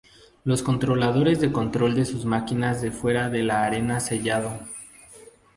Los controladores de control de sus máquinas de fuera de la arena sellado.